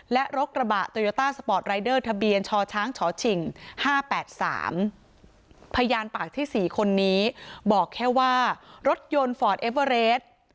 และรถกระบะตอยอต้าสปอร์ตรายเดอร์ทะเบียนชอช้างชอฉิ่งห้าแปดสามพยานปากที่สี่คนนี้บอกแค่ว่ารถยนต์ฟอร์ตเอเวอเรส